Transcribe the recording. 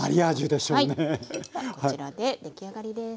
ではこちらで出来上がりです。